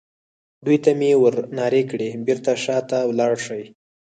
دوی ته مې ور نارې کړې: بېرته شا ته ولاړ شئ.